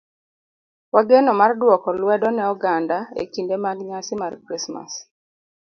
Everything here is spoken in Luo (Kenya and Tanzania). wageno mar dwoko lwedo ne oganda e kinde mag nyasi mar Krismas.